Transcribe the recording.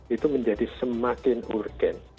itu menjadi semakin urgen